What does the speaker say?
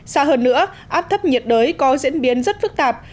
xa hơn nữa áp thấp nhiệt đới có diễn biến rất phức tạp